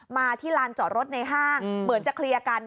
มาที่ลานจอดรถในห้างเหมือนจะเคลียร์กัน